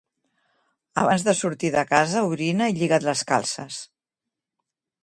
Abans de sortir de casa orina i lliga't les calces.